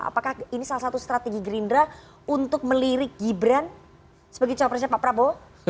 apakah ini salah satu strategi gerindra untuk melirik gibran sebagai cowok presnya pak prabowo